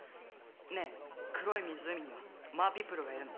ねえ黒い湖にはマーピープルがいるの？